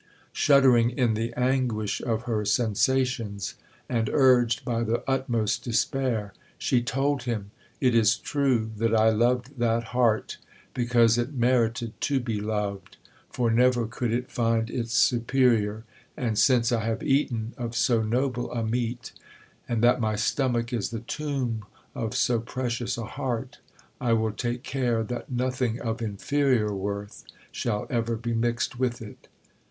Shuddering in the anguish of her sensations, and urged by the utmost despair, she told him "It is true that I loved that heart, because it merited to be loved: for never could it find its superior; and since I have eaten of so noble a meat, and that my stomach is the tomb of so precious a heart, I will take care that nothing of inferior worth shall ever be mixed with it."